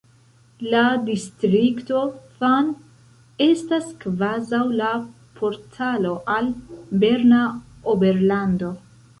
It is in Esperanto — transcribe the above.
La distrikto Thun estas kvazaŭ la portalo al Berna Oberlando.